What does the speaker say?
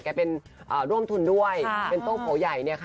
แกเป็นร่วมทุนด้วยเป็นโต๊ะโผล่ใหญ่